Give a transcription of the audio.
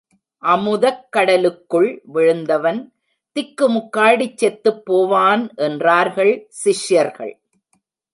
அமுதக் கடலுக்குள் விழுந்தவன் திக்குமுக்காடிச் செத்துப் போவான் என்றார்கள் சிஷ்யர்கள்.